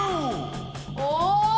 お！